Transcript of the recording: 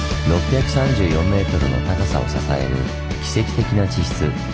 ６３４ｍの高さを支える奇跡的な地質。